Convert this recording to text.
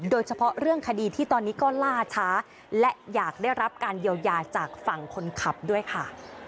โดยเฉพาะเรื่องคดีที่ตอนนี้ก็ล่าช้าและอยากได้รับการเยียวยาจากฝั่งคนขับด้วยค่ะ